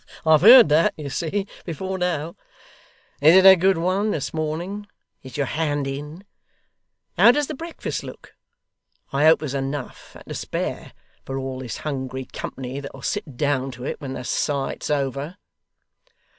I've heard that, you see, before now. Is it a good one, this morning is your hand in? How does the breakfast look? I hope there's enough, and to spare, for all this hungry company that'll sit down to it, when the sight's over.